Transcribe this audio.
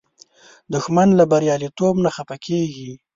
دښمن له بریالیتوب نه خفه کېږي